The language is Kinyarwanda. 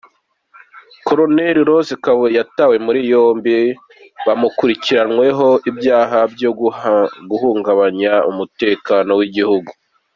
Col Rose Kabuye yatawe muri yombi, bakurikiranyweho ibyaha byo guhungabanya umutekano w’igihugu.